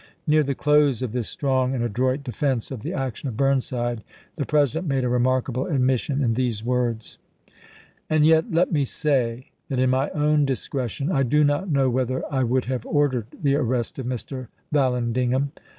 Near the close of this strong and adroit defense of the action of Burnside the President made a remarkable admission in these words : And yet let me say that in my own discretion I do not know whether I would have ordered the arrest of Mr. Vallandigham.